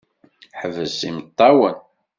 Ḥbes imeṭṭawen!